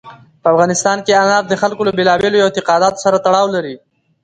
په افغانستان کې انار د خلکو له بېلابېلو اعتقاداتو سره تړاو لري.